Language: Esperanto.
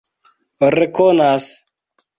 rekonas